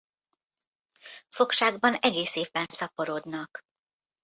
Fogságban egész évben szaporodnak.